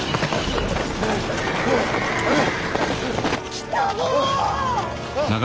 来たぞ！